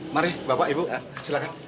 mari bapak ibu silahkan